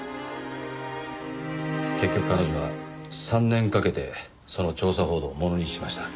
結局彼女は３年かけてその調査報道をものにしました。